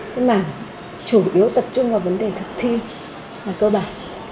cái văn bản chủ yếu tập trung vào vấn đề thực thi mà tôi bảo